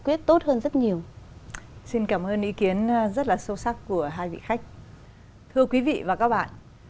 thích tốt hơn rất nhiều xin cảm ơn ý kiến rất là sâu sắc của hai vị khách thưa quý vị và các bạn